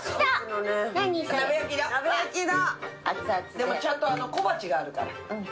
でもちゃんと小鉢があるから。